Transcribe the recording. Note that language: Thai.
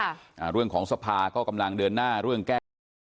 อ่าเรื่องของสภาก็กำลังเดินหน้าเรื่องแก้ไข